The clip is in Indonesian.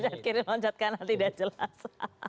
kira kira loncat kanan tidak jelas